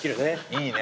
いいね